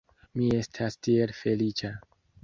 Mi estas tiel feliĉa!